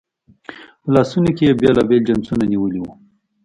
په لاسونو کې یې بېلابېل جنسونه نیولي وو.